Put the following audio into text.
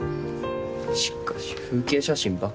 しかし風景写真ばっか。